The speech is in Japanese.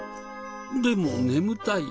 でも眠たい。